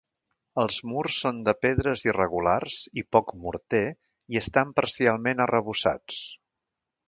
Els murs són de pedres irregulars i poc morter i estan parcialment arrebossats.